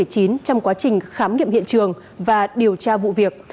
trong quá trình khám nghiệm hiện trường và điều tra vụ việc